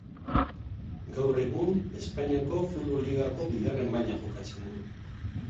Gaur egun Espainiako futbol ligako bigarren mailan jokatzen du.